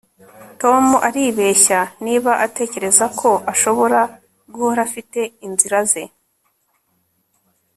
Tom aribeshya niba atekereza ko ashobora guhora afite inzira ze